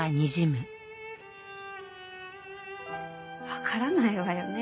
わからないわよね